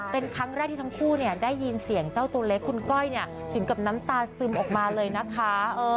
เป็นครั้งแรกที่ทั้งคู่ได้ยินเสียงเจ้าตัวเล็กคุณก้อยถึงกับน้ำตาซึมออกมาเลยนะคะ